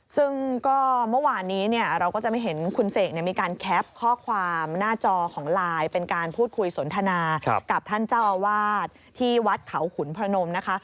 ซึ่งก็เมื่อวานนี้เราก็จะไม่เห็นคุณเสกมีการแคปข้อความหน้าจอของไลน์เป็นการพูดคุยสนทนากับท่านเจ้าอาวาสที่วัดเขาขุนพระนมนะคะ